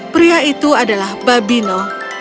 pria itu adalah babino